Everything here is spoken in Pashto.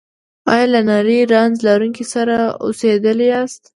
ایا له نري رنځ لرونکي سره اوسیدلي یاست؟